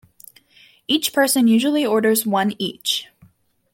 Each person usually orders one each.